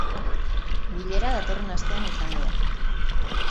Bilera datorren astean izango da.